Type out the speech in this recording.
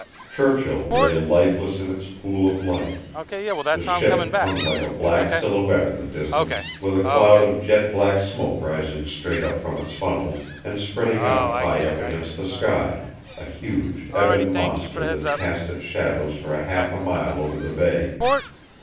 Churchill lay lifeless in its pool of light; the ship hung like a black silhouette in the distance, with a cloud of jet black smoke rising straight up from its funnels, and spreading out high up against the sky, a huge, ebon monster that cast its shadow for half a mile over the Bay.